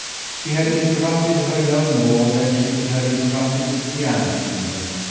She had interrupted her no more than she would have interrupted the piano tuner.